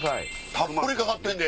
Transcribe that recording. たっぷりかかってんで。